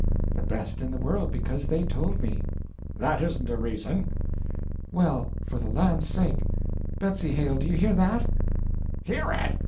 "The best in the world because they told me." "That isn't a reason." "Well, for the land's sake! Betsy Hale, do you hear that?" "Hear it?